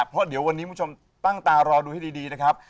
เพราะเดี๋ยววันนี้คุณผู้ชมตั้งตารอดูให้ดีนะครับ